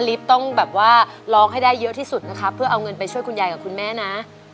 ต้องแบบว่าร้องให้ได้เยอะที่สุดนะครับเพื่อเอาเงินไปช่วยคุณยายกับคุณแม่นะ